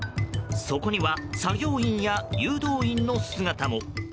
そこには作業員や誘導員の姿も。